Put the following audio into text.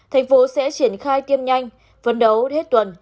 thành phố sẽ triển khai tiêm nhanh phần đầu hết tuần